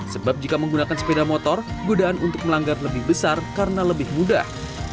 sebab jika menggunakan sepeda motor godaan untuk melanggar lebih besar karena lebih mudah